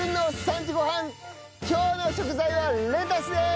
今日の食材はレタスです！